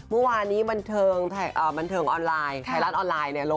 มุมวานนี้บันเทิงออนไลน์ไทยรัฐออนไลน์